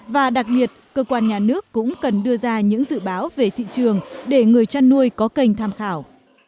và đặc biệt cơ quan nhà nước cũng cần đưa ra những dự báo về thị trường để người chăn nuôi có kênh tham khảo